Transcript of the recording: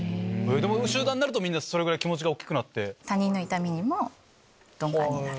集団になるとそれぐらい気持ちが大きくなって。